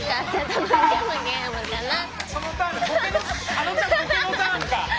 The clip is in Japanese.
あのちゃんボケのターンか。